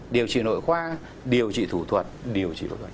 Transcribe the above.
điều trị nội khoa điều trị thủ thuật điều trị phẫu thuật